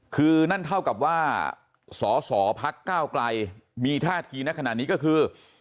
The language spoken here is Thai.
คือนั่นเท่ากับว่าสอสอพักก้าวไกลมีท่าทีในขณะนี้ก็คือ